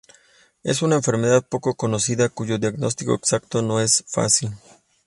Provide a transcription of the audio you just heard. Es una enfermedad poco conocida cuyo diagnóstico exacto no es fácil.